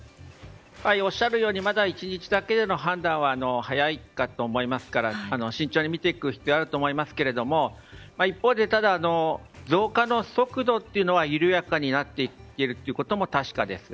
おっしゃるようにまだ１日だけの判断は早いかと思いますから慎重に見ていく必要があると思いますけれども一方で、増加の速度というのは緩やかになっているということも確かです。